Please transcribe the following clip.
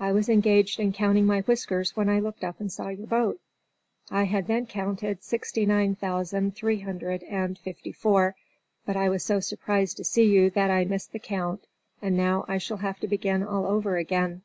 I was engaged in counting my whiskers when I looked up and saw your boat. I had then counted sixty nine thousand three hundred and fifty four; but I was so surprised to see you that I missed the count, and now I shall have to begin all over again."